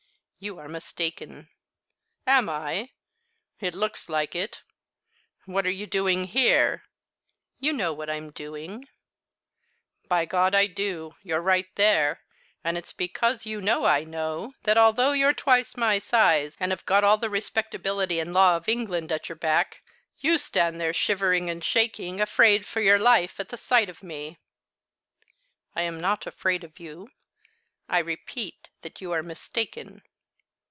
"You are mistaken." "Am I? It looks like it. What are you doing here?" "You know what I'm doing." "By God! I do you're right there. And it's because you know I know, that, although you're twice my size, and have got all the respectability and law of England at your back, you stand there shivering and shaking, afraid for your life at the sight of me." "I am not afraid of you. I repeat that you are mistaken."